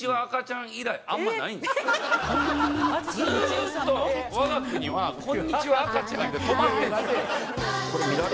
ずーっと我が国は『こんにちは赤ちゃん』で止まってる。